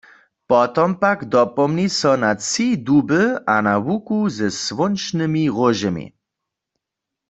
Potom pak dopomni so na tři duby a na łuku ze słónčnymi róžemi.